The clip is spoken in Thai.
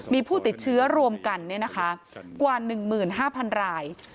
มีผู้ติดเชื้อรวมกันกว่า๑๕๐๐๐ราย